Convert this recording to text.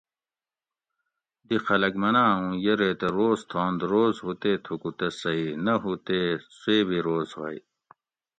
دی خلک مناں اوں یہ ریتہ روز تھانت روز ہو تے تھوکو تہ صحیح نہ ہو تے سویبی روز ہوئے